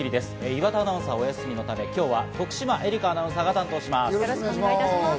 岩田アナウンサーはお休みのため、今日は徳島えりかアナウンサーが担当します。